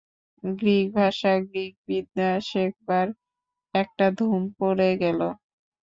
গ্রীকভাষা, গ্রীকবিদ্যা, শেখবার একটা ধুম পড়ে গেল।